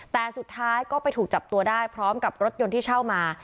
แต่สุดท้ายก็ไปถูกจับตัวได้พร้อมกับรถยนต์ที่เช่ามา